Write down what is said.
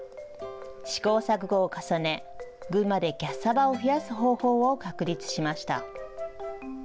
試行錯誤を重ね、群馬でキャッサバを増やす方法を確立しました。